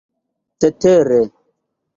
cetere